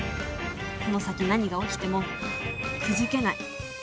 この先何が起きてもくじけない。